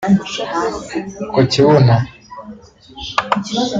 ku kibuno